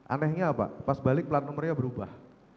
anehnya apa pas balik plat nomornya berubah